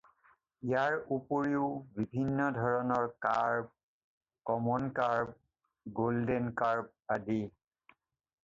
ইয়াৰ উপৰিও বিভিন্ন ধৰণৰ 'carp' - common carp, golden carp আদি।